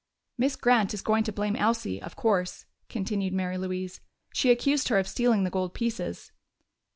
"Miss Grant is going to blame Elsie, of course," continued Mary Louise. "She accused her of stealing the gold pieces."